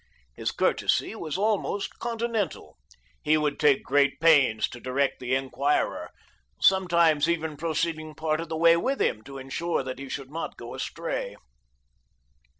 His courtesy was almost continental. He would take great pains to direct the enquirer, sometimes even proceeding part of the way with him to ensure that he should not go astray.